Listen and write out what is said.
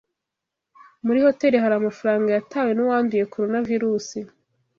Muri hoteri hari amafaranga yatawe nuwanduye Coronavirusi